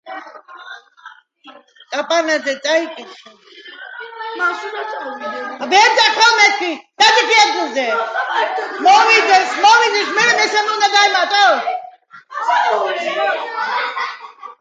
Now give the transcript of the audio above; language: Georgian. პირველი საერთო მონარქი არაგონის, კატალონიისა და ბარსელონის დინასტიის.